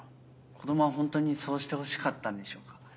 子供は本当にそうしてほしかったんでしょうか？